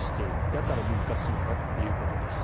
だから難しいんだということです。